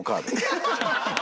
ハハハハ！